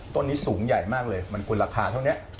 ต้นนี้สูงใหญ่มากเลยมันกุลราคาเท่านี้